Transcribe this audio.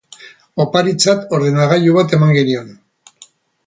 Oparitzat ordenagailu bat eman genion.